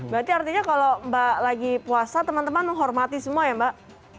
berarti artinya kalau mbak lagi puasa teman teman menghormati semua ya mbak